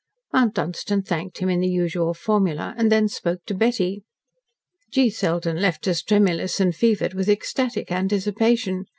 Mount Dunstan thanked him in the usual formula, and then spoke to Betty. "G. Selden left us tremulous and fevered with ecstatic anticipation.